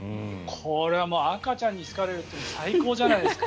これは赤ちゃんに好かれるというのは最高じゃないですか。